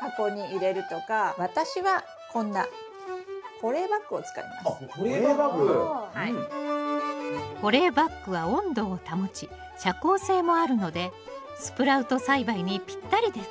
保冷バッグは温度を保ち遮光性もあるのでスプラウト栽培にぴったりです